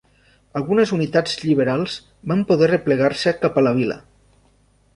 Algunes unitats lliberals van poder replegar-se cap a la vila.